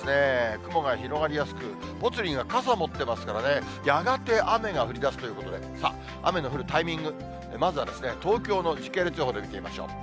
雲が広がりやすく、ぽつリンが傘持ってますからね、やがて雨が降りだすということで、さあ、雨の降るタイミング、まずは東京の時系列予報で見てみましょう。